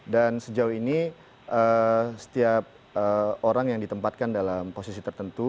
dan sejauh ini setiap orang yang ditempatkan dalam posisi tertentu